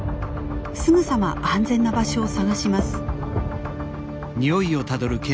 すぐさま安全な場所を探します。